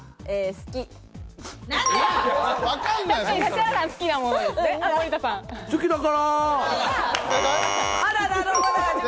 好きだから！